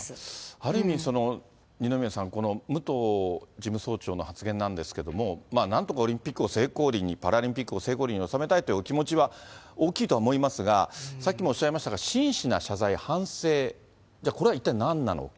ある意味、二宮さん、この武藤事務総長の発言なんですけれども、なんとかオリンピックを成功裏に、パラリンピックを成功裏に収めたいというお気持ちは大きいとは思いますが、さっきもおっしゃいましたが、真摯な謝罪、反省、じゃあ、これは一体なんなのか。